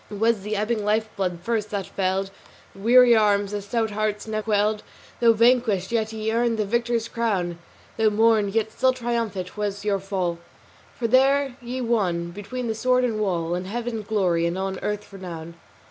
It was the ebbing life blood first that failed The weary arms; the stout hearts never quailed. Though vanquished, yet ye earned the victor's crown: Though mourned, yet still triumphant was your fall For there ye won, between the sword and wall, In Heaven glory and on earth renown."